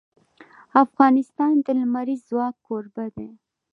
افغانستان د لمریز ځواک کوربه دی.